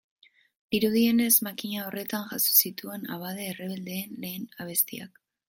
Dirudienez, makina horretan jaso zituen abade errebeldeen lehen abestiak.